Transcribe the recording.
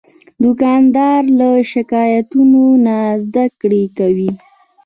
دوکاندار له شکایتونو نه زدهکړه کوي.